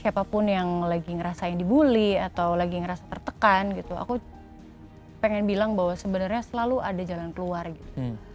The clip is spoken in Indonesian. siapapun yang lagi ngerasain dibully atau lagi ngerasa tertekan gitu aku pengen bilang bahwa sebenarnya selalu ada jalan keluar gitu